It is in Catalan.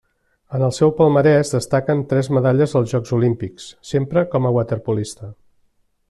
En el seu palmarès destaquen tres medalles als Jocs Olímpics, sempre com a waterpolista.